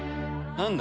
何だ？